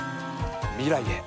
未来へ。